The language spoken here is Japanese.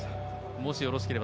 もし、よろしければ。